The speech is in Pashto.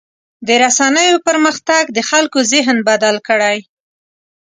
د رسنیو پرمختګ د خلکو ذهن بدل کړی.